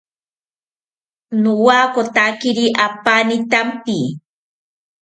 Nowakotakiri apani thampi